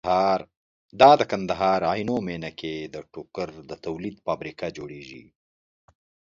دا د کندهار عينو مينه کې ده ټوکر د تولید فابريکه جوړيږي